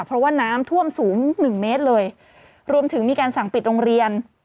เพราะว่าน้ำท่วมสูงหนึ่งเมตรเลยรวมถึงมีการสั่งปิดโรงเรียน